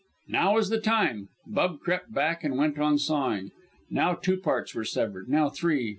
Now was the time! Bub crept back and went on sawing. Now two parts were severed. Now three.